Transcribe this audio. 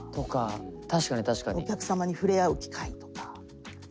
お客様に触れ合う機会とか。